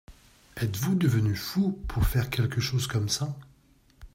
Êtes-vous devenu fou pour faire quelque chose comme ça ?